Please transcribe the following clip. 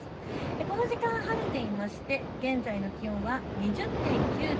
この時間、晴れていまして現在の気温は２０．９度。